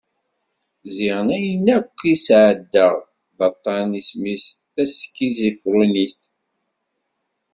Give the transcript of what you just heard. Ziɣen ayen akk i d-sɛeddaɣ d aṭan isem-is taskiẓufrinit.